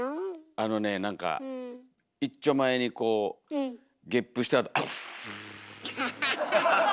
あのねなんかいっちょまえにこうゲップしたあと「アブゥ」。